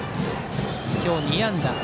今日２安打。